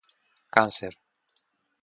cáncer